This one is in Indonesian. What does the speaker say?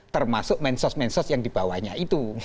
termasuk mensos mensos yang di bawahnya itu